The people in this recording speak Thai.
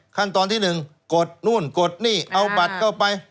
ขั้นตอนที่๑กดนู่นกดนี่เอาบัตรเข้าไป